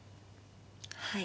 はい。